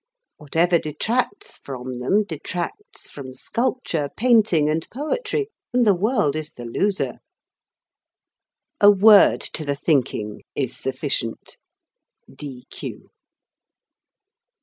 Whatever detracts from them detracts from sculpture, painting, and poetry, and the world is the loser. A word to the thinking is sufficient. D.